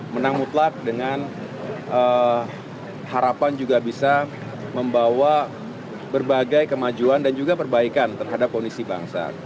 menang mutlak dengan harapan juga bisa membawa berbagai kemajuan dan juga perbaikan terhadap kondisi bangsa